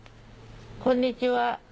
こんにちは。